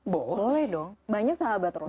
boleh dong banyak sahabat ros